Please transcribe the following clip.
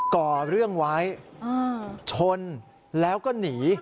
ก่อเรื่องไว้ชนแล้วก็หนี